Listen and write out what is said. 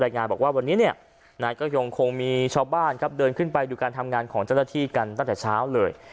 งานบอกว่าวันนี้เนี่ยนายก็ยงคงมีชาวบ้านครับเดินขึ้นไปดูการทำงานของเจ้าหน้าที่กันตั้งแต่เช้าเลย